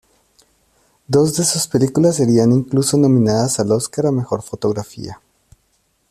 Dos de sus películas serían incluso nominadas al Oscar a Mejor fotografía.